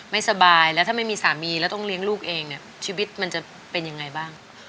ไม่สบายแล้วถ้าไม่มีสามีแล้วต้องเลี้ยงลูกเองเนี่ยชีวิตมันจะเป็นยังไงบ้าง